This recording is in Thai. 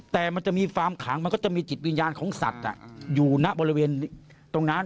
แต่มันจะมีฟาร์มขังมันก็จะมีจิตวิญญาณของสัตว์อยู่ณบริเวณตรงนั้น